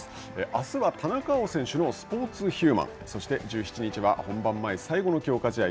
あすは田中碧選手の「スポーツｘヒューマン」、そして１７日は本番前最後の強化試合